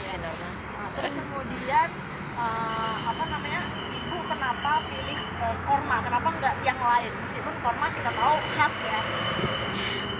terus kemudian ibu kenapa pilih kurma kenapa enggak yang lain meskipun kurma kita tahu khas ya